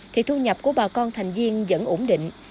thì thu nhập của bà con thành viên vẫn ổn định